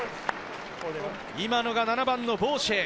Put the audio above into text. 今のが７番のボーシェー。